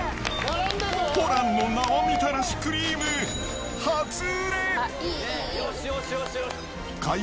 ホランの生みたらしクリーム、初売れ。